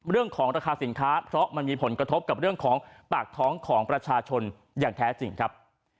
เรื่องของราคาสินค้าเพราะมันมีผลกระทบกับเรื่องของปากท้องของประชาชนอย่างแท้จริงครับ